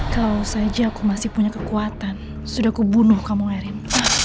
kalo saja aku masih punya kekuatan sudah kubunuh kamu erin